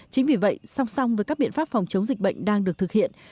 chính vì vậy song song với các biện pháp phòng chống dịch bệnh đang được thực hiện